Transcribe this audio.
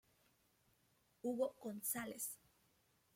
Hugo González